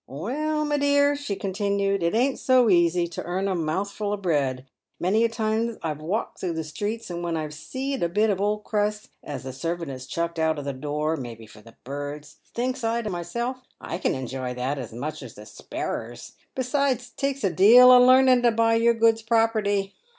" Well, my dear," she continued, " it ain't so easy to earn a mouth ful of bread. Many a time I've walked through the streets, and when I've seed a bit of old crust, as the servant has chucked out of the door — maybe for the birds^ thinks I to myself, ' I can enjoy that as much as the sparrers.' Besides, it takes a deal a laming to buy your goods properly.